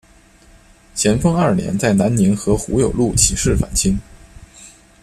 咸丰二年在南宁和胡有禄起事反清。